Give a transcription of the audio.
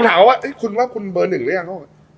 ผมถามว่าคุณพี่บอกว่าเบอร์หนึ่งยัง